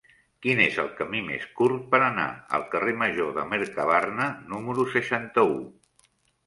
Quin és el camí més curt per anar al carrer Major de Mercabarna número seixanta-u?